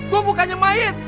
gue bukannya mait